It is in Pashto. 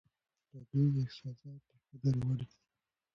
د دوی احساسات د قدر وړ دي.